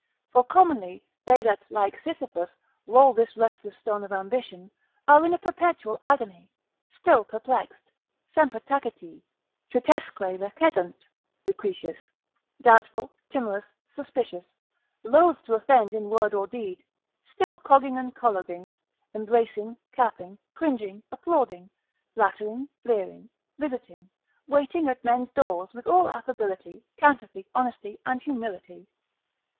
For commonly they that, like Sisyphus, roll this restless stone of ambition, are in a perpetual agony, still perplexed, semper taciti, tritesque recedunt (Lucretius), doubtful, timorous, suspicious, loath to offend in word or deed, still cogging and colloguing, embracing, capping, cringing, applauding, flattering, fleering, visiting, waiting at men's doors, with all affability, counterfeit honesty and humility.